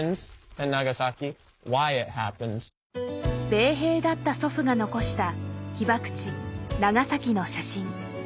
米兵だった祖父が残した被爆地ナガサキの写真